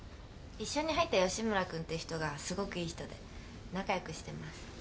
一緒に入った吉村君って人がすごくいい人で仲良くしてます。